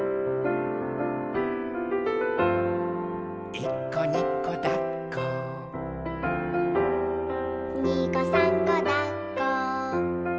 「いっこにこだっこ」「にこさんこだっこ」